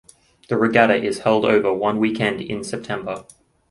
The regatta is held over one weekend in September.